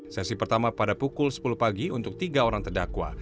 sesi pertama pada pukul sepuluh pagi untuk tiga orang terdakwa